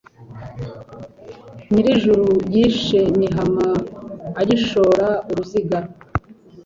Nyirijuru yishe Mihama Agishora uruziga,